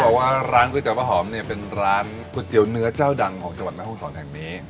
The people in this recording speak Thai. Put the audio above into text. บอกว่าร้านก๋วยเตี๋ป้าหอมเนี่ยเป็นร้านก๋วยเตี๋ยวเนื้อเจ้าดังของจังหวัดแม่ห้องศรแห่งนี้